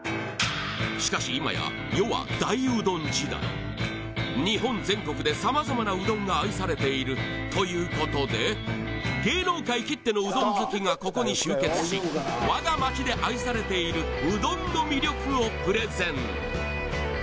しかし今や世は大うどん時代日本全国でさまざまなうどんが愛されているということで芸能界きってのうどん好きがここに集結しわが町で愛されているうどんの魅力をプレゼン